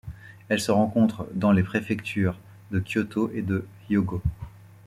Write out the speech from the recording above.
Elle se rencontre dans les préfectures de Kyōto et de Hyōgo.